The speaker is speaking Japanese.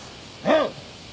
えっ！？